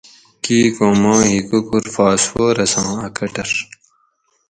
کیک ھوں ما ھکوکور فاسفورساں اۤ کٹر